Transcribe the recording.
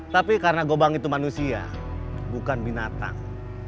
tapi karena gobang itu manusia bukan binatang